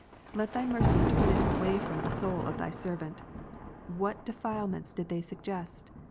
Let Thy mercy turn it away from the soul of Thy servant. What defilements did they suggest